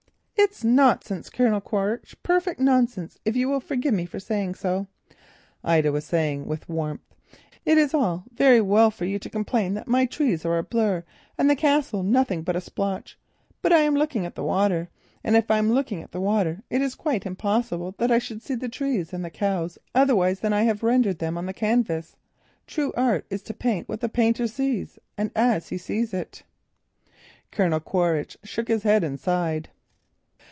"It's nonsense, Colonel Quaritch, perfect nonsense, if you will forgive me for telling you so," Ida was saying with warmth. "It is all very well for you to complain that my trees are a blur, and the castle nothing but a splotch, but I am looking at the water, and if I am looking at the water, it is quite impossible that I should see the trees and the cows otherwise than I have rendered them on the canvas. True art is to paint what the painter sees and as he sees it." Colonel Quaritch shook his head and sighed.